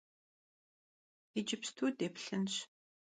Yicıpstu dêplhınş.